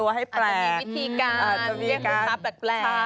อาจจะมีวิธีการอาจจะมีวิธีค้าแปลก